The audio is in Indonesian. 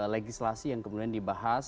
legislasi yang kemudian dibahas